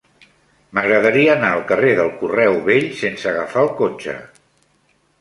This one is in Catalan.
M'agradaria anar al carrer del Correu Vell sense agafar el cotxe.